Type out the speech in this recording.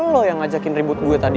lo yang ngajakin ribut gue tadi